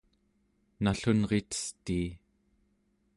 nallunritestii